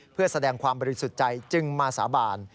เพื่อแสดงความบริสุทธิ์ใจจึงมาสาบาน